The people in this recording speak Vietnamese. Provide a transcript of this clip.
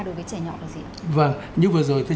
đối với trẻ nhỏ là gì ạ